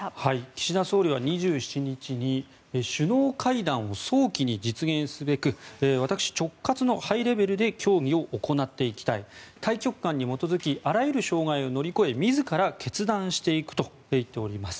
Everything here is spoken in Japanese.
岸田総理は２７日に首脳会談を早期に実現すべく私直轄の、ハイレベルで協議を行っていきたい大局観に基づきあらゆる障害を乗り越え自ら決断していくと言っております。